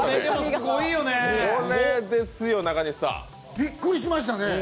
びっくりしましたね！